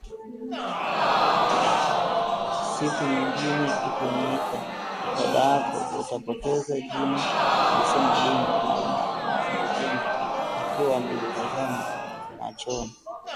Siku nyingine ukiniita dadako utapoteza jino alisema Linda, Namaemba akiwa amenitazama machoni